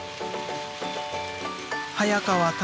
早川拓